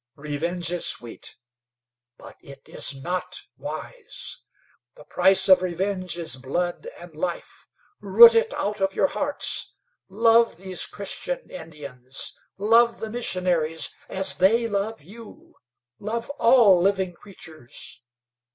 Revenge is sweet; but it is not wise. The price of revenge is blood and life. Root it out of your hearts. Love these Christian Indians; love the missionaries as they love you; love all living creatures.